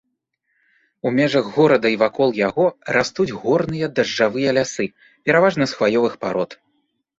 У межах горада і вакол яго растуць горныя дажджавыя лясы, пераважна з хваёвых парод.